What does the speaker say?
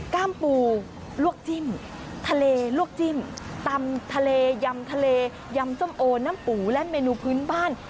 กล้ามปูลวกจิ้มทะเลลวกจิ้มตำทะเลยำทะเลยำส้มโอน้ำปูและเมนูพื้นบ้าน